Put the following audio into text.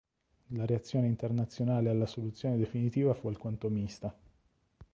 La reazione internazionale alla soluzione definitiva fu alquanto mista.